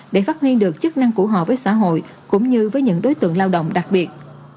để phát huy được chức năng của họ với xã hội cũng như với những đối tượng lao động đặc biệt